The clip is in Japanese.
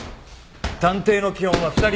探偵の基本は２人一組だ。